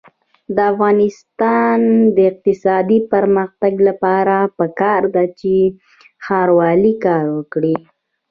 د افغانستان د اقتصادي پرمختګ لپاره پکار ده چې ښاروالي کار وکړي.